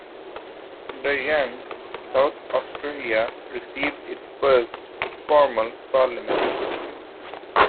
Under Young, South Australia received its first formal parliament.